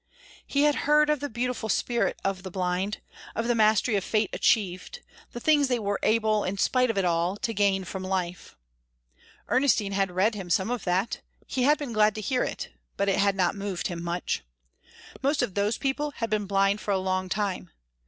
He had heard of the beautiful spirit of the blind, of the mastery of fate achieved, the things they were able, in spite of it all, to gain from life. Ernestine had read him some of that; he had been glad to hear it, but it had not moved him much. Most of those people had been blind for a long time.